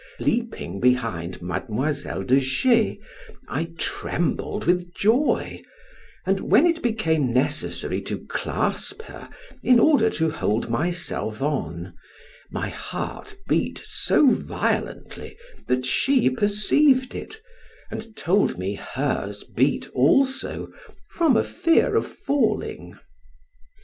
Leaping behind Mademoiselle de G , I trembled with joy, and when it became necessary to clasp her in order to hold myself on, my heart beat so violently that she perceived it, and told me hers beat also from a fear of falling.